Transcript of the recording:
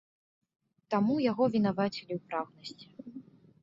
Таму яго вінавацілі ў прагнасці.